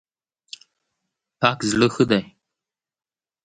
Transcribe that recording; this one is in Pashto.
پاک زړه ښه دی.